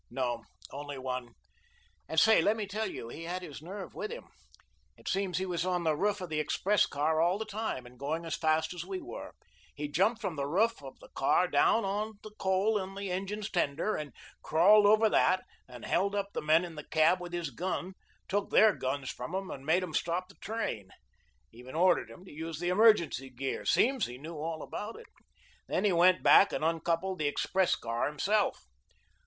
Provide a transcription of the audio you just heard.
"No; only one. And say, let me tell you, he had his nerve with him. It seems he was on the roof of the express car all the time, and going as fast as we were, he jumped from the roof of the car down on to the coal on the engine's tender, and crawled over that and held up the men in the cab with his gun, took their guns from 'em and made 'em stop the train. Even ordered 'em to use the emergency gear, seems he knew all about it. Then he went back and uncoupled the express car himself.